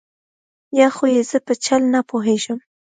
یا خو یې زه په چل نه پوهېږم.